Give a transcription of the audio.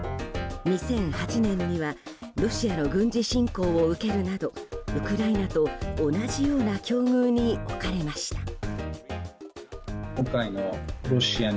２００８年にはロシアの軍事侵攻を受けるなどウクライナと同じような境遇に置かれました。